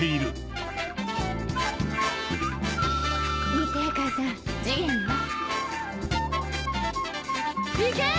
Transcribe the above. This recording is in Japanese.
見て母さん次元よ。